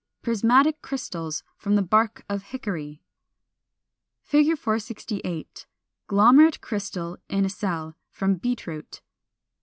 Prismatic crystals from the bark of Hickory. 468. Glomerate crystal in a cell, from Beet root.